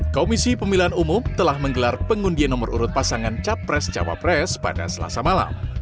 komisi pemilihan umum telah menggelar pengundian nomor urut pasangan capres cawapres pada selasa malam